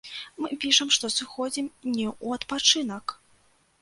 Мы пішам, што сыходзім не ў адпачынак!